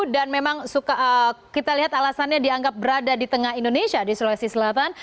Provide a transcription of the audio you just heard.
dan memang kita lihat alasannya dianggap berada di tengah indonesia di sulawesi selatan